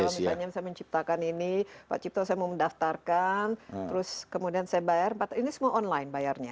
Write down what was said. jadi kalau misalnya saya menciptakan ini pak cipta saya mau mendaftarkan terus kemudian saya bayar ini semua online bayarnya